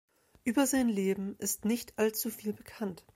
Über sein Leben ist nicht allzu viel bekannt.